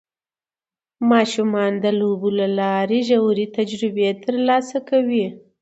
ماشومان د لوبو له لارې ژورې تجربې ترلاسه کوي